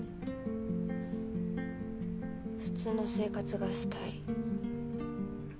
普通の生活がしたい。